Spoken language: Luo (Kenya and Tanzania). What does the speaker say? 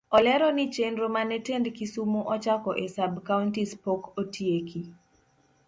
Olero ni chienro mane tend kisumu ochako e sub-counties pok otieki.